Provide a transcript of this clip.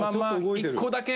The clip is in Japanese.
１個だけ。